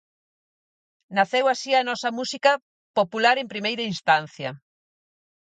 Naceu así a nosa música popular en primeira instancia.